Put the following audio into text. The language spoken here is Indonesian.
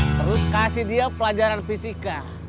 terus kasih dia pelajaran fisika